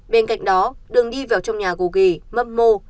bên cạnh đó đường đi vào trong nhà gồ ghề mâm mô